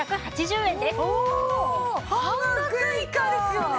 半額以下ですよね！